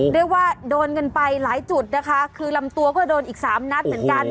เรียกว่าโดนกันไปหลายจุดนะคะคือลำตัวก็โดนอีกสามนัดเหมือนกัน